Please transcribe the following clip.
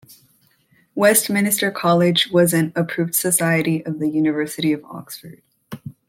Westminster College was an "Approved Society" of the University of Oxford.